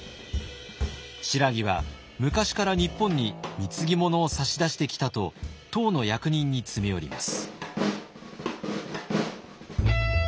「新羅は昔から日本に貢ぎ物を差し出してきた」と唐の役人に詰め寄ります。